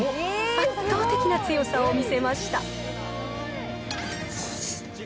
圧倒的な強さを見せました。